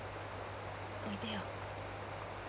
おいでよ。